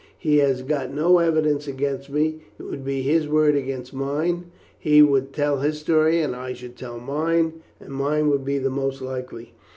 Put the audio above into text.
He has got no evidence against me; it would be his word against mine. He would tell his story and I should tell mine, and mine would be the most likely.